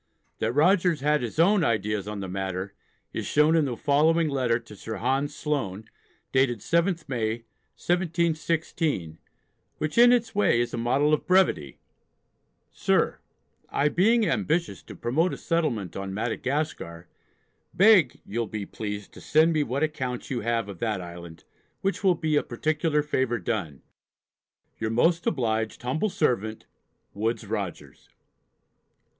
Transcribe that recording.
That Rogers had his own ideas on the matter is shown in the following letter to Sir Hans Sloane, dated 7th May, 1716, which in its way is a model of brevity: SIR, I being ambitious to promote a settlement on Madagascar, beg you'll (be) pleased to send me what accounts you have of that island, which will be a particular favour done Your most obliged humble servant, WOODES ROGERS.